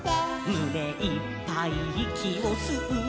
「むねいっぱいいきをすうのさ」